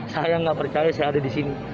saya nggak percaya saya ada di sini